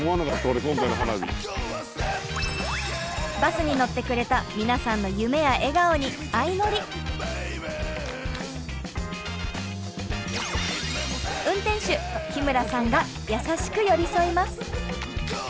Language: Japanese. バスに乗ってくれた皆さんの運転手日村さんが優しく寄り添います。